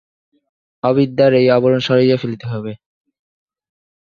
অবিদ্যার এই আবরণ সরাইয়া ফেলিতে হইবে।